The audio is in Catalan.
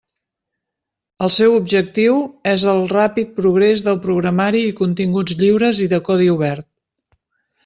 El seu objectiu és el ràpid progrés del programari i continguts lliures i de codi obert.